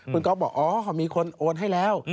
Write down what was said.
คุณก๊อฟบอกอ๋อมีคนโอนให้แล้ว